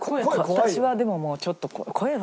私はでももうちょっと声は。